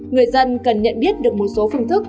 người dân cần nhận biết được một số phương thức